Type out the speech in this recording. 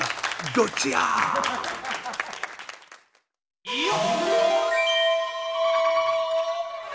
どっちや！